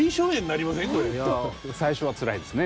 いや最初はつらいですね。